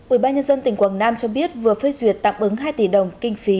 ubnd tỉnh quảng nam cho biết vừa phê duyệt tạm ứng hai tỷ đồng kinh phí